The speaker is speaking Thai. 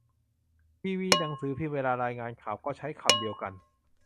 ทีวีหนังสือพิมพ์เวลารายงานข่าวก็ใช้คำเดียวกัน